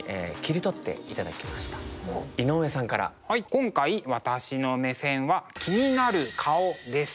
今回私の目線は「気になる顔」です。